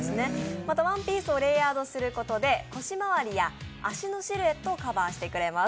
またワンピースをレイヤードすることで腰回りや足のシルエットをカバーしてくれます。